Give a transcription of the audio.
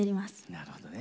なるほどね。